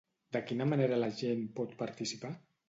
De quina manera la gent pot participar?